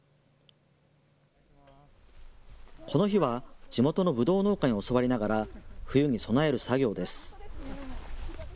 この日は地元のぶどう農家に教わりながら冬に備える作業です。